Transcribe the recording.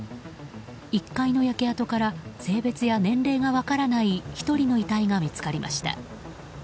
１階の焼け跡から性別や年齢が分からない１人の遺体が見つかりました。